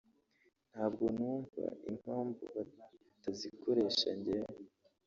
ntabwo numva impamvu batazikoresha njyewe